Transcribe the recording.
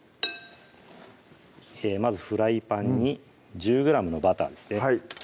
まずフライパンに１０ｇのバターですね